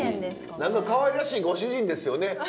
何かかわいらしいご主人ですよね。